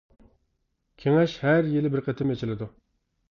كېڭەش ھەر يىلى بىر قېتىم ئېچىلىدۇ.